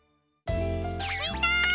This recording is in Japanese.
みんな！